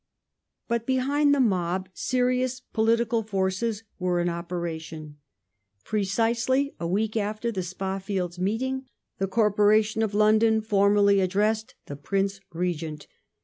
But behind the mob serious political forces were in operation. Reform Precisely a week after the Spa Fields meeting, the Corporation of fj.Q^^^°JJg London formally addressed the Prince Regent.